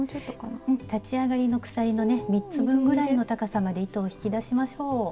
立ち上がりの鎖のね３つ分ぐらいの高さまで糸を引き出しましょう。